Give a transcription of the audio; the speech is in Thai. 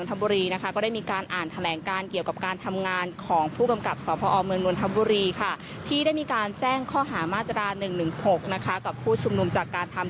ตรงทั้งบุลค่ะที่ได้มีการแจ้งข้อหามาตรอ๑๑๖นะคะกับผู้ชมนุมจากการทำ